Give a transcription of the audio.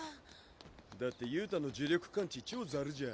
だって憂太の呪力感知超ザルじゃん。